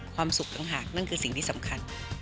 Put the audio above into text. ความสุขต่างหากนั่นคือสิ่งที่สำคัญ